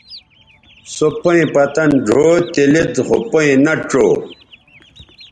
سو پئیں پتَن ڙھؤ تے لید خو پئیں نہ ڇؤ